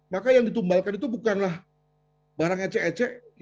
maka yang ditumbalkan itu bukanlah barang ecek ecek